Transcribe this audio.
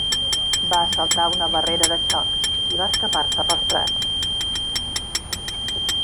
Va saltar una barrera de xoc i va escapar-se pels prats.